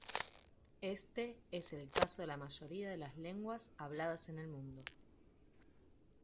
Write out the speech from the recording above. Éste es el caso de la mayoría de las lenguas habladas en el mundo.